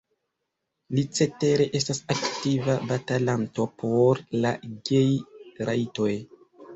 Li cetere estas aktiva batalanto por la gej-rajtoj.